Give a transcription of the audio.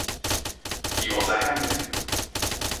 Do you want to hang me?